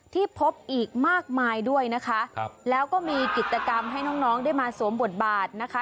ที่พบอีกมากมายด้วยนะคะครับแล้วก็มีกิจกรรมให้น้องน้องได้มาสวมบทบาทนะคะ